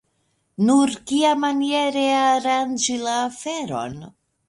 Nur kiamaniere aranĝi la aferon?